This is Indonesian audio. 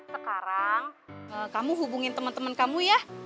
sekarang kamu hubungin temen temen kamu ya